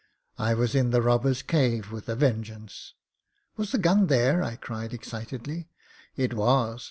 I was in the robber's cave with a vengeance." 'Was the gim there?" I cried, excitedly. It was.